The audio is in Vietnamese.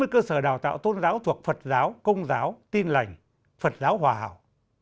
sáu mươi cơ sở đào tạo tôn giáo thuộc phật giáo công giáo tin lành phật giáo hòa hảo